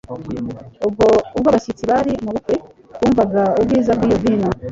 Ubwo abashyitsi bari mu bukwe bumvaga ubwiza bw’iyo vino,